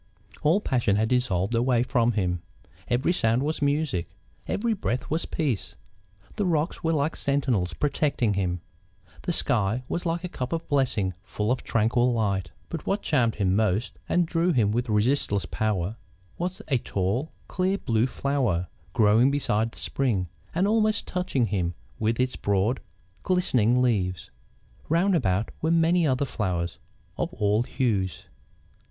All passion had dissolved away from him; every sound was music; every breath was peace; the rocks were like sentinels protecting him; the sky was like a cup of blessing full of tranquil light. But what charmed him most, and drew him with resistless power, was a tall, clear blue flower, growing beside the spring, and almost touching him with its broad, glistening leaves. Round about were many other flowers, of all hues.